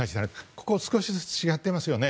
ここは少しずつ違っていますよね。